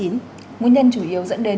nguyên nhân chủ yếu dẫn đến